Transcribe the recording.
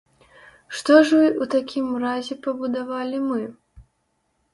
Што ж у такім разе пабудавалі мы?